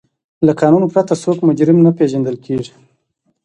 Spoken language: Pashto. له قانون پرته څوک مجرم نه پیژندل کیږي.